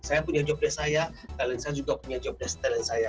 saya punya jobdes saya talent saya juga punya jobdesk talent saya